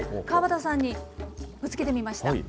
河端さんにぶつけてみました。